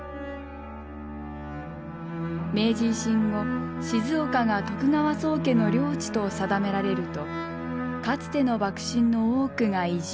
明治維新後静岡が徳川宗家の領地と定められるとかつての幕臣の多くが移住。